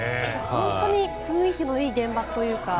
本当に雰囲気のいい現場というか。